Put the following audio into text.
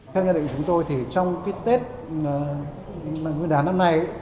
theo nhận định của chúng tôi trong tết nguyên đán năm nay